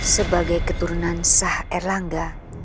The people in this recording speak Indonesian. sebagai keturunan sah erlangga